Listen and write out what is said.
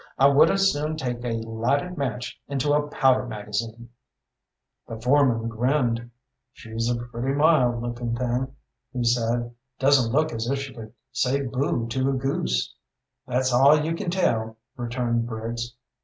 I would as soon take a lighted match into a powder magazine." The foreman grinned. "She's a pretty, mild looking thing," he said; "doesn't look as if she could say boo to a goose." "That's all you can tell," returned Briggs.